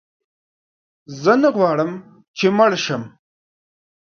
زه نه غواړم چې مړ شم.